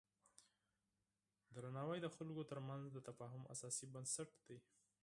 درناوی د خلکو ترمنځ د تفاهم اساسي بنسټ دی.